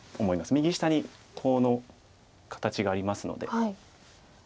右下にコウの形がありますので。